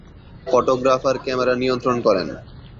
Photographer camera নিয়ন্ত্রণ করেন।